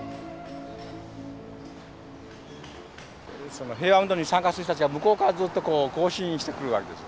その平和運動に参加する人たちが向こうからずっとこう行進してくるわけです。